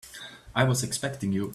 I was expecting you.